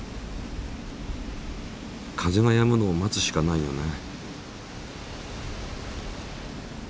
風がやむのを待つしかないよね。